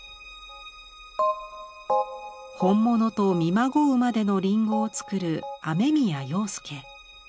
本物と見まごうまでのりんごを作る雨宮庸介。